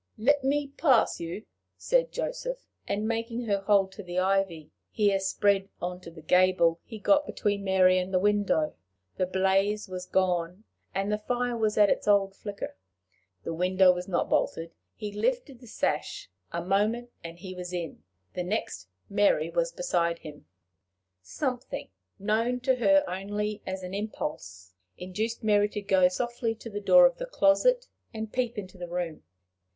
"Let me pass you," said Joseph, and, making her hold to the ivy, here spread on to the gable, he got between Mary and the window. The blaze was gone, and the fire was at its old flicker. The window was not bolted. He lifted the sash. A moment and he was in. The next, Mary was beside him. Something, known to her only as an impulse, induced Mary to go softly to the door of the closet, and peep into the room.